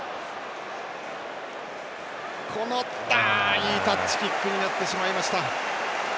いいタッチキックになってしまいました。